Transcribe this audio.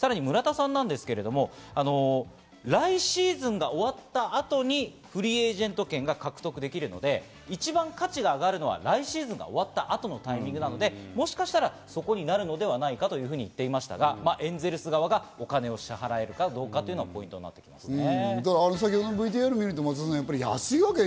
さらに村田さん、来シーズンが終わった後にフリーエージェント権を獲得できるので、一番価値が上がるのは来シーズンが終わった後のタイミングなので、もしかしたらそこになるのではないかといっていましたが、エンゼルス側がお金を支払えるかどうかがポイントになってきますね。